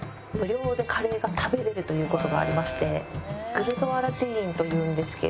グルドワラ寺院というんですけど。